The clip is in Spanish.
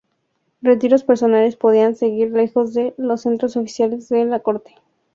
Retiros personales podían surgir lejos de los centros oficiales de la Corte.